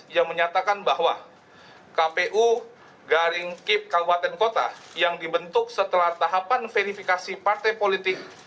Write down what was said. yang menyatakan bahwa kpu garing kip kabupaten kota yang dibentuk setelah tahapan verifikasi partai politik